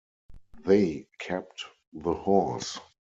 They kept the horse.